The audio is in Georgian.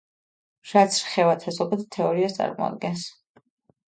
რაც რხევათა ზოგად თეორიას წარმოადგენს.